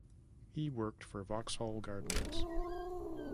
He worked for Vauxhall Gardens.